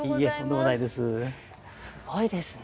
すごいですね